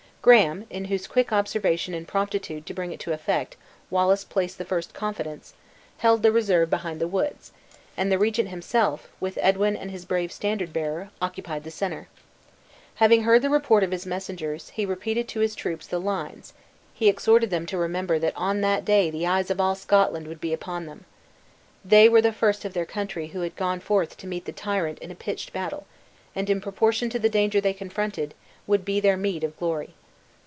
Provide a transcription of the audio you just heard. Graham (in whose quick observation and promptitude to bring it to effect, Wallace placed the first confidence) held the reserve behind the woods; and the regent himself, with Edwin and his brave standard bearer, occupied the center. Having heard the report of his messengers, he repeated to his troops the lines, he exhorted them to remember that on that day the eyes of all Scotland would be upon them. They were the first of their country who had gone forth to meet the tyrant in a pitched battle; and in proportion to the danger they confronted, would be their meed of glory.